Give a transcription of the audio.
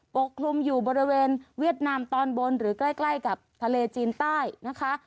ปกคลุมอยู่บริเวณเวียดนามตอนบนหรือใกล้กับทะเลจีนใต้นะคะ